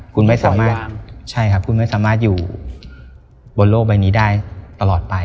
คุณไม่สามารถอยู่บนโลกใบนี้ได้ตลอดไป